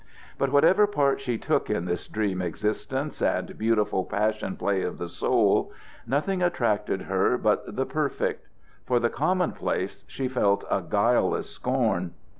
But whatever part she took in this dream existence and beautiful passion play of the soul, nothing attracted her but the perfect. For the commonplace she felt a guileless scorn.